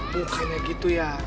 bukannya gitu ya